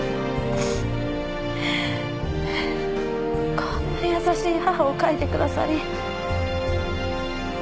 こんな優しい母を描いてくださり。